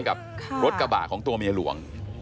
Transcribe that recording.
กับรถกระบะของตัวเมียหลวง